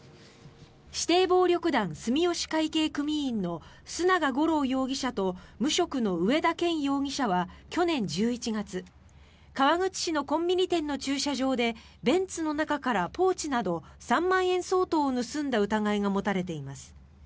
指定暴力団住吉会系組員の須永五郎容疑者と無職の上田健容疑者は去年１１月川口市のコンビニ店の駐車場でベンツの中からポーチなど３万円相当を盗んだ疑いが持たれています。